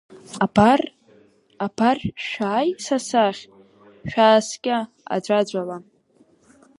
Абар, абар шәааи са сахь, шәааскьа аӡәаӡәала.